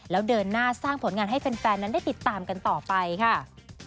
แล้วเดินหน้าสร้างผลงานให้แฟนนั้นได้ติดตามกันต่อไปค่ะ